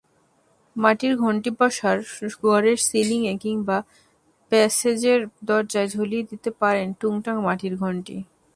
মাটির ঘণ্টিবসার ঘরের সিলিংয়ে কিংবা প্যাসেজের দরজায় ঝুলিয়ে দিতে পারেন টুংটাং মাটির ঘণ্টি।